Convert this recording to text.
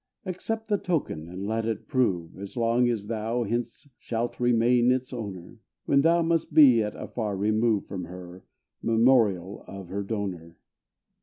Accept the token, and let it prove, As long as thou hence shalt remain its owner, When thou must be at a far remove From her, memorial of the donor.